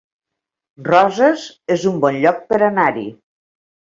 Roses es un bon lloc per anar-hi